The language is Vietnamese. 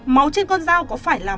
máu trên con dao có phải là